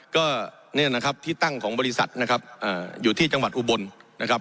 ก็เนี่ยนะครับที่ตั้งของบริษัทนะครับอยู่ที่จังหวัดอุบลนะครับ